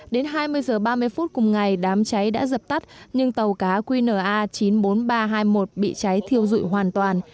đến hai mươi h ba mươi phút cùng ngày đám cháy đã dập tắt nhưng tàu cá qna chín mươi bốn nghìn ba trăm hai mươi một bị cháy thiêu dụi hoàn toàn